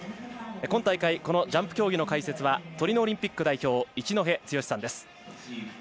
今大会このジャンプ競技の解説はトリノオリンピック代表一戸剛さんです。